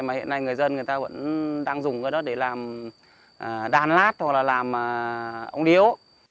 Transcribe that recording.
mà hiện nay người dân người ta vẫn đang dùng cái đất để làm đan lát hoặc là làm ống điếu